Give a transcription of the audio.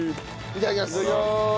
いただきます！